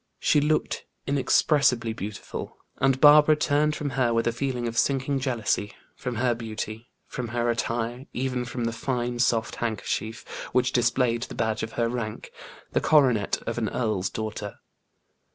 She looked inexpressibly beautiful, and Barbara turned from her with a feeling of sinking jealousy, from her beauty, from her attire, even from the fine, soft handkerchief, which displayed the badge of her rank the coronet of an earl's daughter.